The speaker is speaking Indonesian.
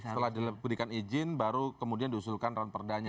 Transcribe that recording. setelah diberikan izin baru kemudian diusulkan ranperdanya